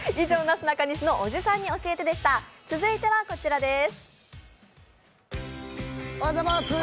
続いてはこちらです。